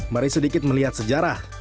mari sedikit melihat sejarah